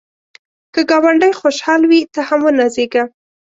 که ګاونډی خوشحال وي، ته هم ونازېږه